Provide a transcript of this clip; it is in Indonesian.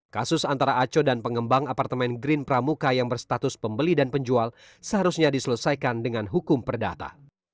kasus antara aco dan pengembang apartemen green pramuka yang berstatus pembeli dan penjual seharusnya diselesaikan dengan hukum perdata